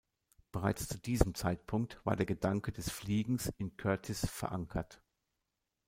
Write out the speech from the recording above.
Bereits zu diesem Zeitpunkt war der Gedanke des Fliegens in Curtiss verankert.